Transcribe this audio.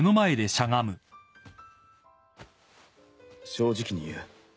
正直に言う。